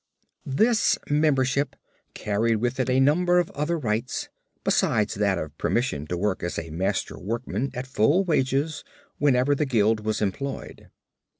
This membership carried with it a number of other rights besides that of permission to work as a master workman at full wages whenever the guild was employed.